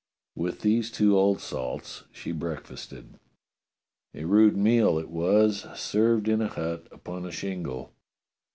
With these two old salts she breakfasted. A rude meal it was, served in a hut upon the shingle.